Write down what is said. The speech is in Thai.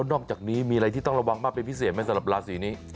นอกจากนี้มีอะไรที่ต้องระวังมากเป็นพิเศษไหมสำหรับราศีนี้